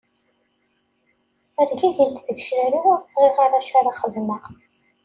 Rgagint tgecrar-iw ur ẓriɣ ara acu ara xedmeɣ.